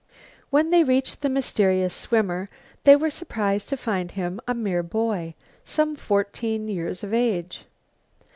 When they reached the mysterious swimmer they were surprised to find him a mere boy, some fourteen years of age.